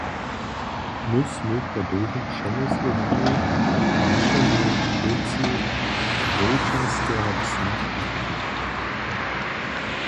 My smy po dołhim přemyslenju našemu hólcej wowčerskeho psa darili.